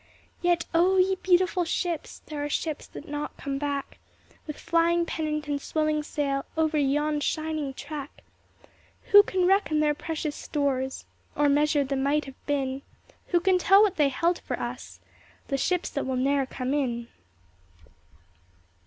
Yet, O ye beautiful ships ! There are ships that come not back, With flying pennant and swelling sail, Over yon shining track ! Who can reckon their precious stores, Or measure the might have been ? Who can tell what they held for us — The ships that will ne'er come in